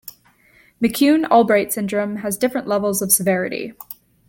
McCune-Albright syndrome has different levels of severity.